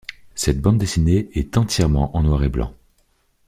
Cette bande dessinée est entièrement en noir et blanc.